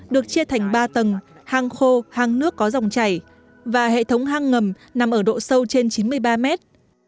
được chia thành ba tầng hang khô hang nước có dòng chảy và hệ thống hang ngầm nằm ở độ sâu trên chín mươi ba mét